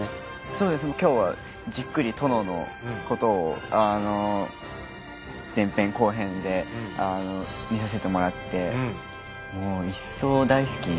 そうですねもう今日はじっくり殿のことを前編後編で見させてもらってもう一層大好きになりますよね。